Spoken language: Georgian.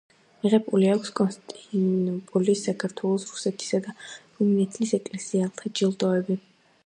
მიღებული აქვს კონსტანტინოპოლის, საქართველოს, რუსეთისა და რუმინეთის ეკლესიათა ჯილდოები.